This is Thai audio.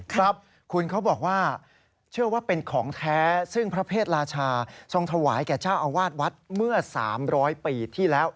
ครับคุณเขาบอกว่าเชื่อว่าเป็นของแท้ซึ่งพระเพศราชาทรงถวายแก่เจ้าอาวาสวัดเมื่อ๓๐๐ปีที่แล้ว